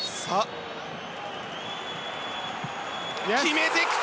決めてきた！